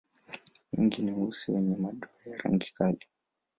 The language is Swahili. Wengi ni weusi wenye madoa ya rangi kali.